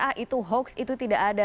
ah itu hoax itu tidak ada